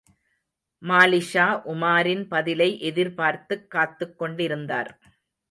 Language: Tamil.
மாலிக்ஷா உமாரின் பதிலை எதிர்பார்த்துக் காத்துக் கொண்டிருந்தார்.